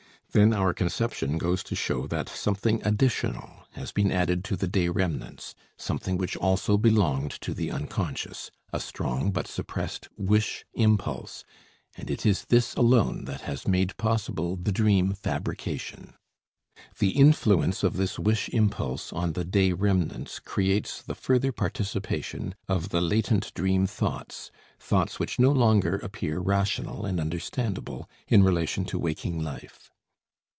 Then our conception goes to show that something additional has been added to the day remnants, something which also belonged to the unconscious, a strong but suppressed wish impulse, and it is this alone that has made possible the dream fabrication. The influence of this wish impulse on the day remnants creates the further participation of the latent dream thoughts, thoughts which no longer appear rational and understandable in relation to waking life.